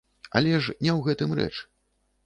Але ж не ў гэтым рэч.